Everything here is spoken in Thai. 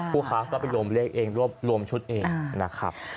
ผู้ค้าก็ไปรวมเลขเองรวบรวมชุดเองนะครับ